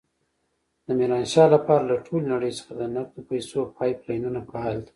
د ميرانشاه لپاره له ټولې نړۍ څخه د نقدو پيسو پایپ لاینونه فعال دي.